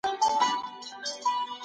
د شيانو نومونه پيژندل لوړ کمال دی.